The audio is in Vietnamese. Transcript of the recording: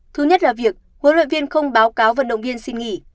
thứ nhất là việc huấn luyện viên không báo cáo vận động viên xin nghỉ